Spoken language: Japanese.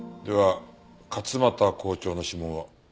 では勝又校長の指紋は？